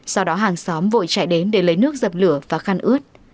sau đó hàng xóm vội chạy đến để lấy nước dập lửa và khăn ướt